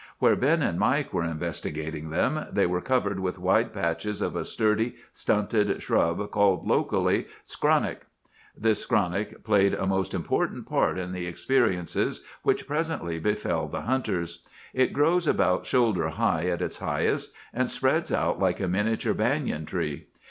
"Where Ben and Mike were investigating them, they were covered with wide patches of a sturdy, stunted shrub called, locally, 'skronnick.' "This skronnick played a most important part in the experiences which presently befell the hunters. It grows about shoulder high at its highest, and spreads out like a miniature banyan tree.